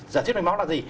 giả thuyết mạch máu là gì